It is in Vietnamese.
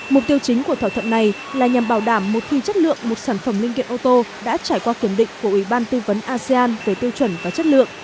mục tiêu chính của thỏa thuận này là nhằm bảo đảm một khi chất lượng một sản phẩm linh kiện ô tô đã trải qua kiểm định của ủy ban tư vấn asean về tiêu chuẩn và chất lượng